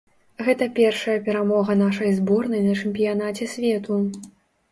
Гэта першая перамога нашай зборнай на чэмпіянаце свету.